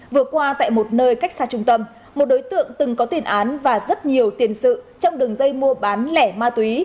vừa qua tại một nơi cách xa trung tâm một đối tượng từng có tiền án và rất nhiều tiền sự trong đường dây mua bán lẻ ma túy